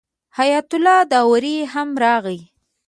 حیات الله داوري هم راغی.